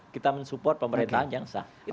kita mensupport pemerintahan yang sah itu aja